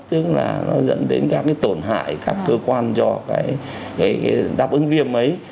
tức là nó dẫn đến các cái tổn hại các cơ quan do cái đáp ứng viêm ấy